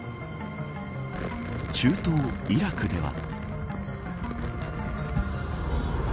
中東イラクでは。